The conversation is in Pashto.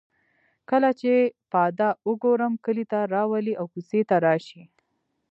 کله چې پاده او ګورم کلي ته راولي او کوڅې ته راشي.